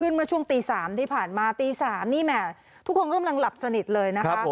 เมื่อช่วงตี๓ที่ผ่านมาตี๓นี่แหมทุกคนกำลังหลับสนิทเลยนะคะ